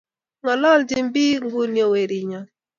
Ngalalachin pik nguni ooh weri nyon